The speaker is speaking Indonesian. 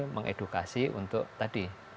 mengedukasi untuk tadi